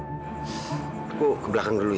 aku ke belakang dulu